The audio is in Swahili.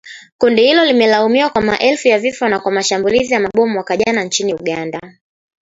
Kundi hilo limelaumiwa kwa maelfu ya vifo na kwa mashambulizi ya mabomu mwaka jana nchini Uganda